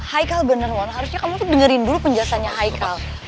haikal bener mon harusnya kamu tuh dengerin dulu penjelasannya haikal